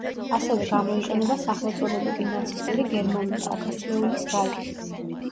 ასევე გამოიყენება სახელწოდებები „ნაცისტური გერმანია“, „ათასწლეულის რაიხი“.